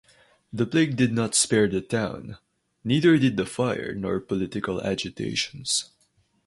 The plague did not spare the town, neither did the fire nor political agitations.